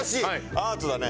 アートだね！